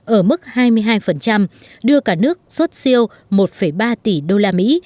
ở mức hai mươi hai đưa cả nước xuất siêu một ba tỷ usd